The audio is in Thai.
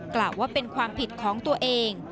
กล่าวว่าเป็นความผิดของตัวเอง